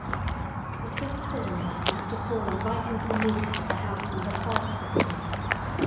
The fifth cylinder must have fallen right into the midst of the house we had first visited.